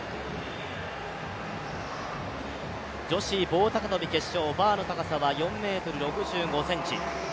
女子棒高跳決勝、バーの高さは４ｍ６５ｃｍ。